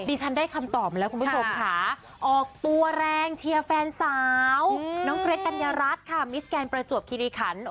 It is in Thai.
ดีฉันได้คำตอบมาแล้วคุณผู้ชมค่ะ